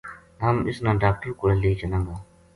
ہم اس نا ڈاکٹر کولے لے چلاں گا“